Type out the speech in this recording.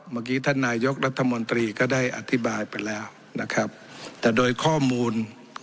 เมื่อกี้ท่านนายกรัฐมนตรีก็ได้อธิบายไปแล้วนะครับแต่โดยข้อมูล